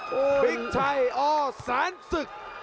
บิ๊กชัยอ้อสารสึก